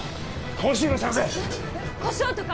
コショウとか？